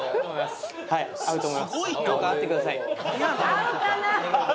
合うかな？